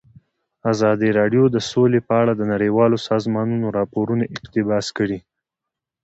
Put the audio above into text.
ازادي راډیو د سوله په اړه د نړیوالو سازمانونو راپورونه اقتباس کړي.